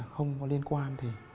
không có liên quan